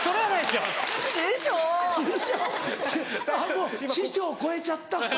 もう師匠超えちゃった。